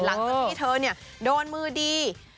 หลังจากที่เธอโดนมือดี